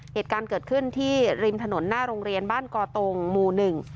เหตุการณ์เกิดขึ้นที่ริมถนนหน้าโรงเรียนบ้านกอตงหมู่หนึ่ง